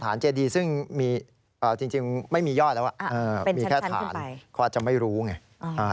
เจดีซึ่งมีจริงไม่มียอดแล้วมีแค่ฐานเขาอาจจะไม่รู้ไง